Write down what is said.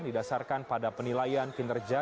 didasarkan pada penilaian kinerja